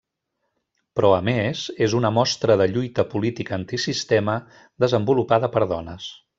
Però, a més, és una mostra de lluita política antisistema desenvolupada per dones.